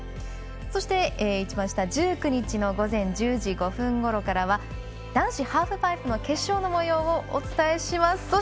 そして、１９日の午前１０時５分ごろからは男子ハーフパイプの決勝のもようをお伝えします。